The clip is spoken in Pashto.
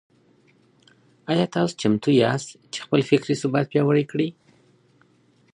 آيا تاسو چمتو ياست چي خپل فکري ثبات پياوړی کړئ؟